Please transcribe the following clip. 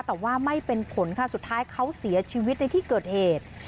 แต่ว่าไม่เป็นผลค่ะสุดท้ายเขาเสียชีวิตในที่เกิดเหตุ